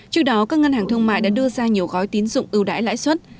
trước đó các ngân hàng thương mại đã đưa ra nhiều gói tín dụng ưu đãi lãi suất